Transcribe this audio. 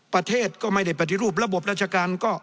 ประเทศก็ไม่ได้ปฏิรูประบบราชการก็